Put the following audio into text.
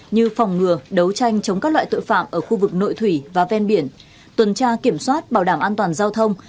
như phòng ngừa đấu tranh chống các loại tội phạm ở khu vực nội thủy và ven biển tuần tra kiểm soát bảo đảm an toàn giao thông